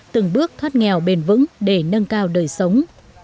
từng bước thoát nghèo bền vững để nâng cao đời sống